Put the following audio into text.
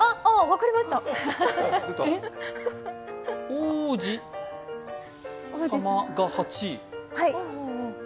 王子様が８？